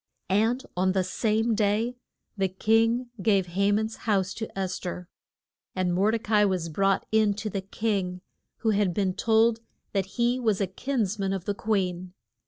And on the same day the king gave Ha man's house to Es ther, and Mor de ca i was brought in to the king, who had been told that he was a kins man of the queen.